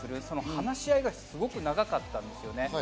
その話し合いがすごく長かったんですね。